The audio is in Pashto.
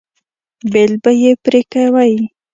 بیل به یې پرې کوئ.